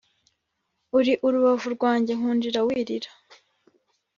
uri urubavu rwanjye, nkundira wirira